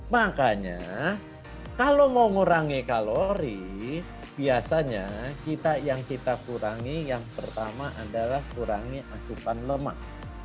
makanya kalau mau mengurangi kalori biasanya yang kita kurangi yang pertama adalah kurangi asupan lemak